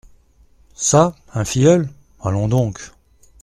Ca un filleul ? allons donc !…